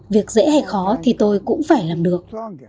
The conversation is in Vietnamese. việc dễ hay khó thì tôi cũng phải làm được